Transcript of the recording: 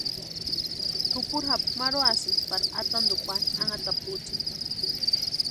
Tupuri japu marhuasïnti pari atantukwani anhatapuchani.